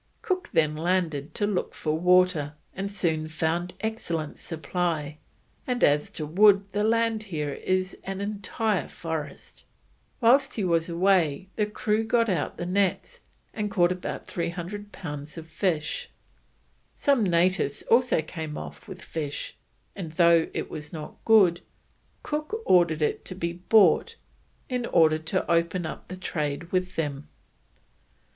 Cook then landed to look for water, and soon found an excellent supply, and "as to wood the land is here an entire forest." Whilst he was away, the crew got out the nets, and caught about 300 pounds of fish. Some natives also came off with fish, and though it was not good, Cook ordered it to be bought, in order to open up trade with them.